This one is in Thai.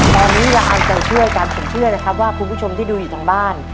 ตอนนี้เราเอาใจช่วยกันผมเชื่อนะครับว่าคุณผู้ชมที่ดูอยู่ทางบ้าน